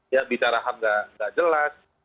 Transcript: ya bicara harga nggak jelas